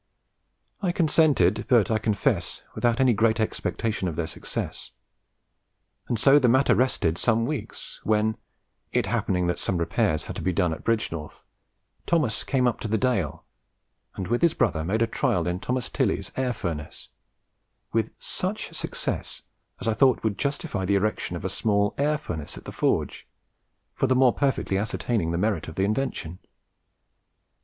I consented, but, I confess, without any great expectation of their success; and so the matter rested some weeks, when it happening that some repairs had to be done at Bridgenorth, Thomas came up to the Dale, and, with his brother, made a trial in Thos. Tilly's air furnace with such success as I thought would justify the erection of a small air furnace at the Forge for the more perfectly ascertaining the merit of the invention.